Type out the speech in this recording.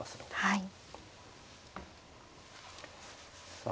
はい。